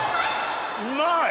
うまい！